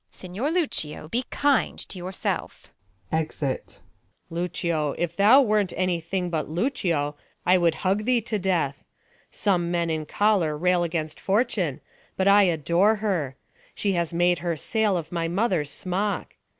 Beat. Signior Lucio, be kind to your self ! [Exit. Luc. Lucio, if thou were't any thing but Lucio, I would hug thee to death. Some men in choler Rail against fortune, but I adore her : She has made her sail of my mother's smock.